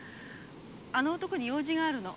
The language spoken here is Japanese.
あの男に用事があるの。